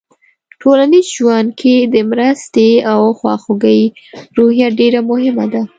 ټولنیز ژوند کې د مرستې او خواخوږۍ روحیه ډېره مهمه ده.